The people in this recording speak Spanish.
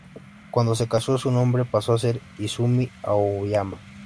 Cuando se casó su nombre pasó a ser Izumi Aoyama.